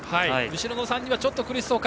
後ろの３人はちょっと苦しそうか。